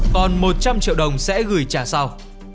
còn một trăm linh triệu đồng sẽ gửi trả sau